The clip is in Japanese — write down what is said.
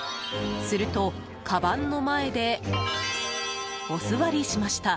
するとかばんの前でお座りしました。